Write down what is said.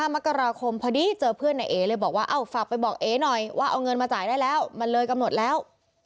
มกราคมพอดีเจอเพื่อนในเอเลยบอกว่าเอ้าฝากไปบอกเอ๋หน่อยว่าเอาเงินมาจ่ายได้แล้วมันเลยกำหนดแล้ว